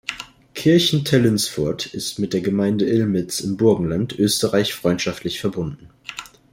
Kirchentellinsfurt ist mit der Gemeinde Illmitz im Burgenland, Österreich freundschaftlich verbunden.